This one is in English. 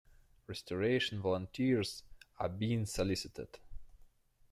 Restoration volunteers are being solicited.